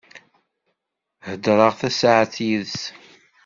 Hedreɣ tasaεet yid-s.